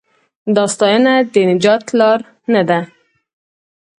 دا ستاینه د نجات لار نه ده.